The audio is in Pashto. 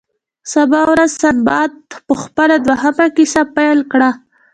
سبا ورځ سنباد خپله دوهمه کیسه پیل کړه.